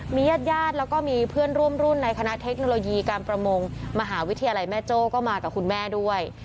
มีญาติญาติแล้วก็มีเพื่อนร่วมรุ่นในคณะเทคโนโลยีการประมงมหาวิทยาลัยแม่โจ้ก็มากับคุณแม่ด้วย